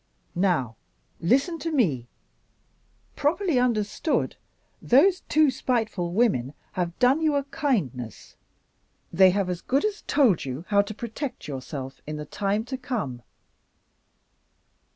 Now listen to me. Properly understood, those two spiteful women have done you a kindness. They have as good as told you how to protect yourself in the time to come.